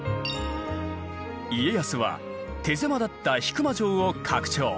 家康は手狭だった引間城を拡張。